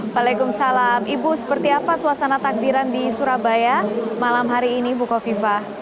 waalaikumsalam ibu seperti apa suasana takbiran di surabaya malam hari ini bu kofifa